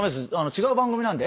違う番組なんで。